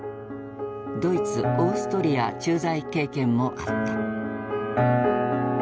ドイツ・オーストリア駐在経験もあった。